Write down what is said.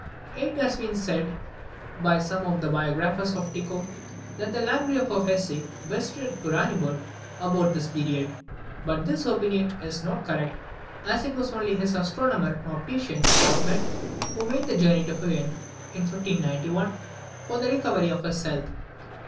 It has been said by some of the biographers of Tycho, that the Landgrave of Hesse visited Uraniburg about this period; but this opinion is not correct, as it was only his astronomer and optician, Rothman, who made a journey to Huen in 1591 for the recovery of his health.